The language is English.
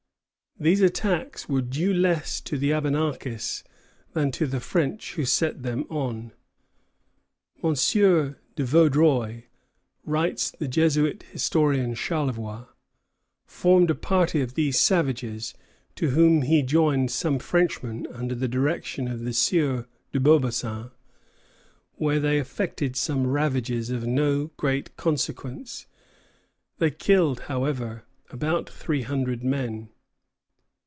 These attacks were due less to the Abenakis than to the French who set them on. "Monsieur de Vaudreuil," writes the Jesuit historian Charlevoix, "formed a party of these savages, to whom he joined some Frenchmen under the direction of the Sieur de Beaubassin, when they effected some ravages of no great consequence; they killed, however, about three hundred men."